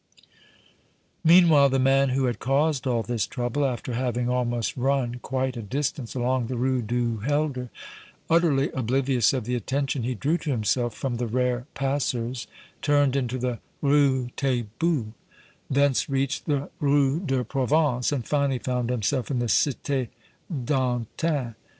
Meanwhile the man who had caused all this trouble after having almost run quite a distance along the Rue du Helder, utterly oblivious of the attention he drew to himself from the rare passers, turned into the Rue Taitbout, thence reached the Rue de Provence and finally found himself in the Cité d' Antin.